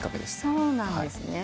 そうなんですね。